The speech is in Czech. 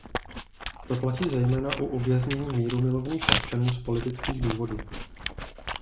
To platí zejména o uvěznení mírumilovných občanů z politických důvodů.